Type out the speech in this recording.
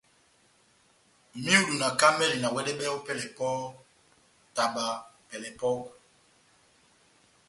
Myudu na kamɛli na wɛdɛbɛhɛni pɛlɛ pɔhɔ́, taba pɛlɛ epɔ́kwɛ.